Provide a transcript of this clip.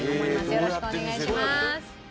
よろしくお願いします。